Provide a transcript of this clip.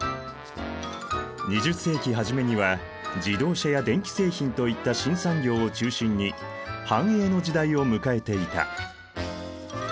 ２０世紀初めには自動車や電気製品といった新産業を中心に繁栄の時代を迎えていた。